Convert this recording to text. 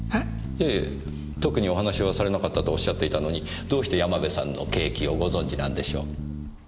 いえ特にお話はされなかったとおっしゃっていたのにどうして山部さんの刑期をご存じなんでしょう？